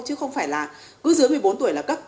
chứ không phải là cứ dưới một mươi bốn tuổi là cấp